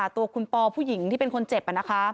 ตัวคุณปอผู้หญิงที่เป็นคนเจ็บ